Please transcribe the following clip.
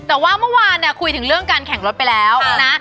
แต่ว่าเมื่อวานเนี่ยคุยถึงเรื่องการแข่งรถไปแล้วนะ